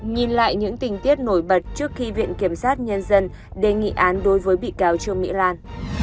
nhìn lại những tình tiết nổi bật trước khi viện kiểm sát nhân dân đề nghị án đối với bị cáo trương mỹ lan